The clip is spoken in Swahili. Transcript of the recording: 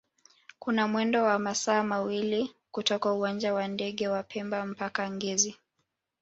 kuna mwendo wa masaa mawili kutoka uwanja wa ndege wa pemba mpaka ngezi